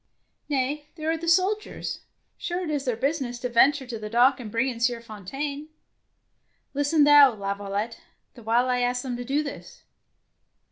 " Nay, there are the soldiers. Sure, it is their business to venture to the dock and bring in Sieur Fontaine." ''Listen thou, Laviolette, the while I ask them to do this."